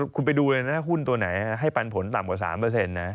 คุณไปดูเลยนะหุ้นตัวไหนให้ปันผลต่ำกว่า๓นะ